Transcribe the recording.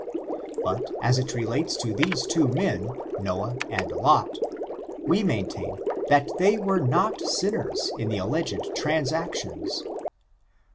But as it relates to these two men, Noah and Lot^ we maintain that they were not sinners in thealledged transactions.